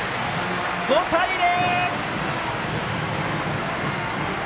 ５対０！